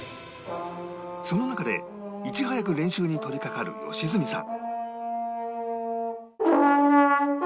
その中でいち早く練習に取りかかる良純さん